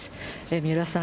三浦さん